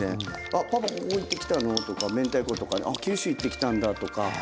「あっパパここ行ってきたの」とかめんたいことか「あっ九州行ってきたんだ」とか。